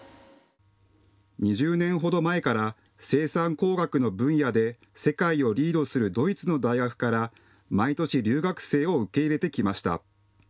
２０年ほど前から生産工学の分野で世界をリードするドイツの大学から毎年、留学生を受け入れてきました。